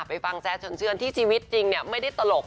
ไปฟังแซสเชิญที่ชีวิตจริงไม่ได้ตลก